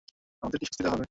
আমাদেরকে শাস্তি দেওয়া হবে!